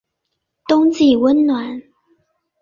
冬季温暖。